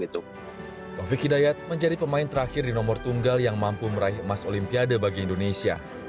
taufik hidayat menjadi pemain terakhir di nomor tunggal yang mampu meraih emas olimpiade bagi indonesia